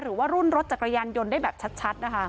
หรือว่ารุ่นรถจักรยานยนต์ได้แบบชัดนะคะ